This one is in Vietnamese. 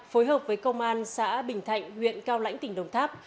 phối hợp với công an xã bình thạnh huyện cao lãnh tỉnh đồng tháp